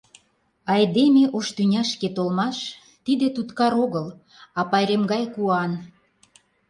Айдеме ош тӱняшке толмаш — тиде туткар огыл, а пайрем гай куан.